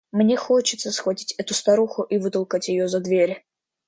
Мне хочется схватить эту старуху и вытолкать ее за дверь.